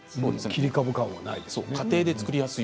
切り株感はないですね。